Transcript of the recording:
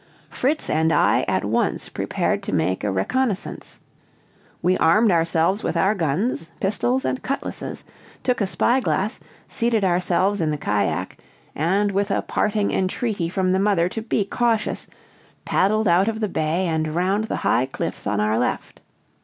Fritz and I at once prepared to make a reconnoitre; we armed ourselves with our guns, pistols, and cutlasses, took a spyglass, seated ourselves in the cajack, and with a parting entreaty from the mother to be cautious, paddled out of the bay and round the high cliffs on our left.